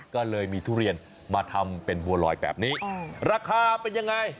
ก็เลยมีทุเรียนมาทำเป็นบัวลอยแบบนี้ราคาเป็นยังไง